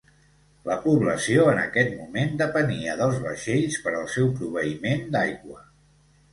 La població en aquest moment depenia dels vaixells per al seu proveïment d'aigua.